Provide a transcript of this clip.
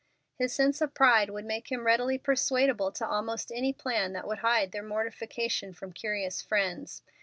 His sense of pride would make him readily persuadable to almost any plan that would hide their mortification from curious friends.